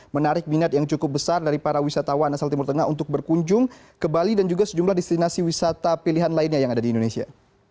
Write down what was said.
menarik minat yang cukup besar dari para wisatawan asal timur tengah untuk berkunjung ke bali dan juga sejumlah destinasi wisata pilihan lainnya yang ada di indonesia